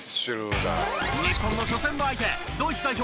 日本の初戦の相手ドイツ代表